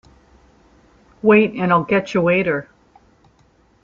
Wait and I'll getcha waiter.